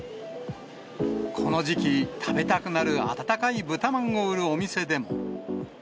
この時期、食べたくなる温かい豚まんを売るお店でも。